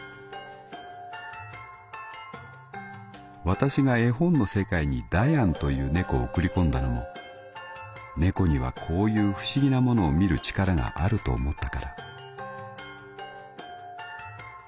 「私が絵本の世界にダヤンという猫を送り込んだのも猫にはこういう不思議なものを見る力があると思ったから」。